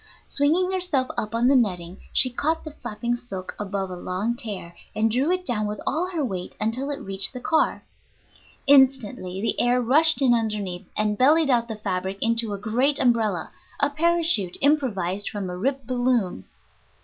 Swinging herself up on the netting, she caught the flapping silk above a long tear, and drew it down with all her weight until it reached the car. Instantly the air rushed in underneath, and bellied out the fabric into a great umbrella, a parachute improvised from a ripped balloon.